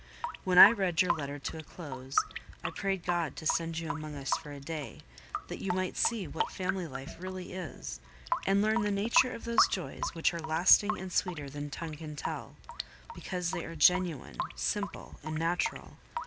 When I had read your letter to a close, I prayed God to send you among us for a day, that you might see what family life really is, and learn the nature of those joys, which are lasting and sweeter than tongue can tell, because they are genuine, simple, and natural.